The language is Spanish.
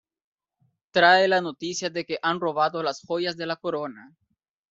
Trae la noticia de que han robado las joyas de la corona.